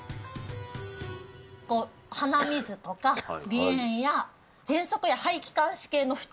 鼻水とか鼻炎やぜんそくや肺・気管支系の不調。